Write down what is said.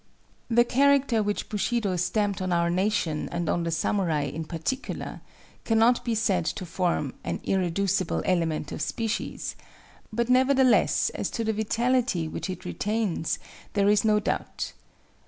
] The character which Bushido stamped on our nation and on the samurai in particular, cannot be said to form "an irreducible element of species," but nevertheless as to the vitality which it retains there is no doubt.